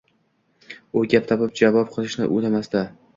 U gap topib javob qilishni o‘ylamasdi